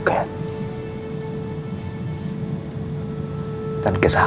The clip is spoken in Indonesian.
dengan semua kesalahan saya di masa lalu